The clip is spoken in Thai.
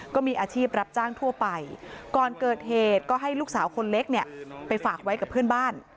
ก็มีอาชีพรับจ้างทั่วไปก่อนเกิดเหตุก็ให้ลูกสาวคนเล็กเนี่ยไปฝากไว้กับเพื่อนบ้าน